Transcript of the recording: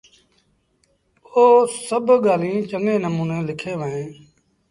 اوٚ سڀ ڳآليٚنٚ چڱي نموٚني لکيݩ وهينٚ